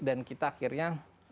dan kita akhirnya